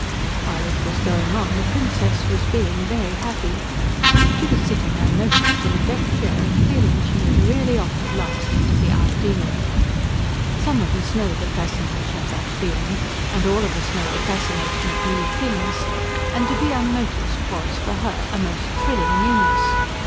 While it was going on the Princess was being very happy. She was sitting unnoticed in a deck chair and feeling she was really off at last into the Ideal. Some of us know the fascination of that feeling, and all of us know the fascination of new things; and to be unnoticed was for her of a most thrilling newness.